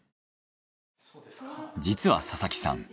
実は佐々木さん